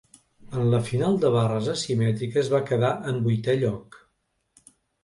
En la final de barres asimètriques va quedar en vuitè lloc.